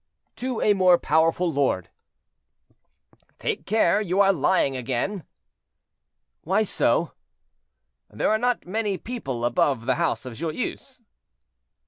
"To a more powerful lord." "Take care; you are lying again." "Why so?" "There are not many people above the house of Joyeuse."